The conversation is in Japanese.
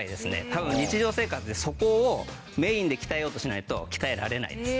多分日常生活でそこをメインで鍛えようとしないと鍛えられないです。